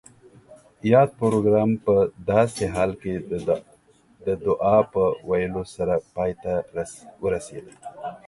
یاد پروګرام پۀ داسې حال کې د دعا پۀ ویلو سره پای ته ورسید